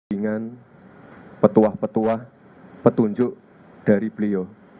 dengan petuah petuah petunjuk dari beliau